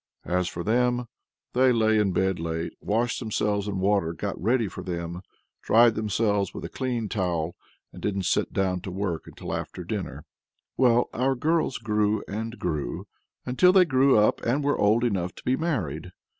As for them, they lay in bed late, washed themselves in water got ready for them, dried themselves with a clean towel, and didn't sit down to work till after dinner. Well, our girls grew and grew, until they grew up and were old enough to be married.